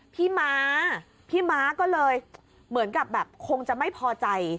พี่ม้าพี่ม้าก็เลยเหมือนกับแบบคงจะไม่พอใจ